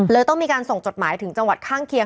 ต้องมีการส่งจดหมายถึงจังหวัดข้างเคียง